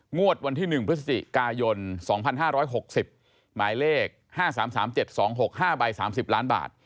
งวดวันที่๑พฤศจิกายน๒๕๖๐หมายเลข๕๓๓๗๒๖๕ใบ๓๐ล้านบาท